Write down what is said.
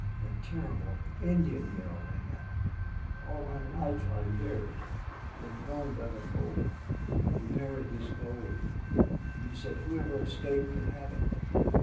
That terrible Indian yell rang out. All my life I'll hear it!... Then Horn dug a hole. He buried his gold.... And he said whoever escaped could have it.